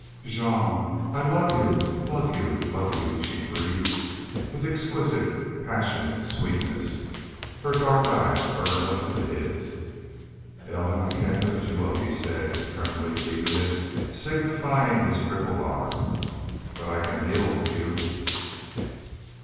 "Jean I love y'u love y'u love y'u!" she breathed with exquisite, passionate sweetness. Her dark eyes burned up into his. "Ellen, I can't lift you up," he said, in trembling eagerness, signifying his crippled arm. "But I can kneel with you!